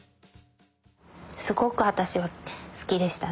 すごく私は好きでしたね。